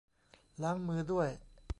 ล้างมือด้วย